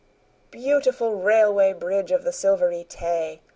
Beautiful Railway Bridge of the Silvery Tay!